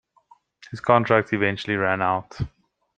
His contract eventually ran out.